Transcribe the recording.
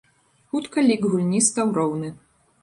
Хутка лік гульні стаў роўны.